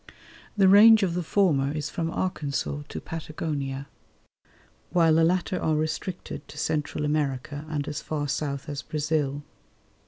The range of the former is from Arkansas to Patagonia, while the latter are restricted to Central America and as far south as Brazil.